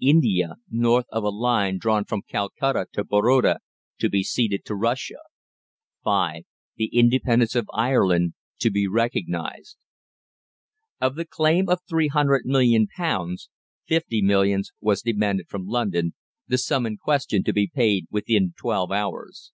India, north of a line drawn from Calcutta to Baroda, to be ceded to Russia. 5. The independence of Ireland to be recognised. Of the claim of £300,000,000, fifty millions was demanded from London, the sum in question to be paid within twelve hours.